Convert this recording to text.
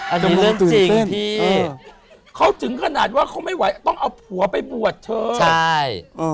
อันนี้เรื่องจริงที่